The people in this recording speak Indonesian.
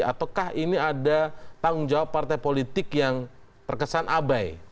ataukah ini ada tanggung jawab partai politik yang terkesan abai